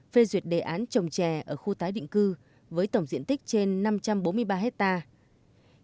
phê duyệt đề án trồng trè ở khu tái định cư với tổng diện tích trên năm trăm bốn mươi ba hectare